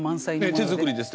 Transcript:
ええ手作りです